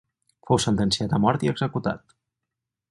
Fou sentenciat a mort i executat.